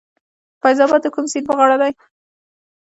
فیض اباد د کوم سیند په غاړه دی؟